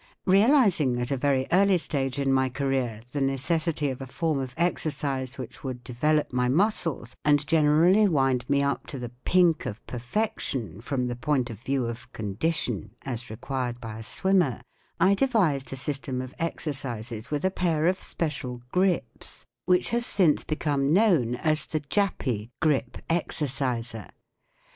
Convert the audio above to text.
Realizing* at a. very early stage in my career, the necessity of a form of exercise which would develop my muscles and gen eraily wind me up to the 44 pink " of perfec¬ tion, from the point of view of “ condi¬ tion " as required by a swimmer, I devised a system of exercises with a pair of special 44 grips/* which has since become known as the 4i jappy " Grip Exerciser.